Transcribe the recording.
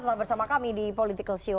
tetap bersama kami di political show